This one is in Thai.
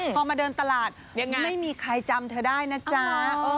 พอมาเดินตลาดยังไม่มีใครจำเธอได้นะจ๊ะ